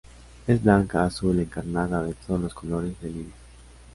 es blanca, azul, encarnada, de todos los colores del iris.